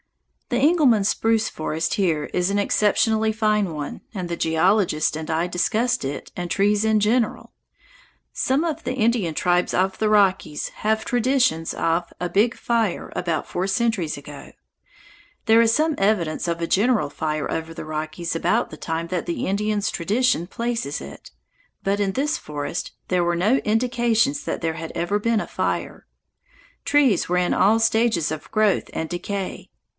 The Engelmann spruce forest here is an exceptionally fine one, and the geologist and I discussed it and trees in general. Some of the Indian tribes of the Rockies have traditions of a "Big Fire" about four centuries ago. There is some evidence of a general fire over the Rockies about the time that the Indian's tradition places it, but in this forest there were no indications that there had ever been a fire. Trees were in all stages of growth and decay.